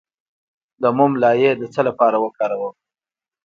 د موم لایی د څه لپاره وکاروم؟